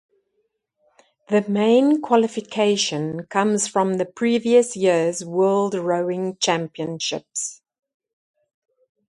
The main qualification comes from the previous year's World Rowing Championships.